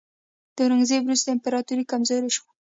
د اورنګزیب وروسته امپراتوري کمزورې شوه.